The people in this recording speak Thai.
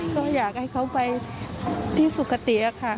ก็อยากให้เขาไปที่สุขติค่ะ